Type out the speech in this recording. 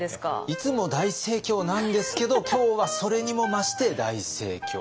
いつも大盛況なんですけど今日はそれにも増して大盛況。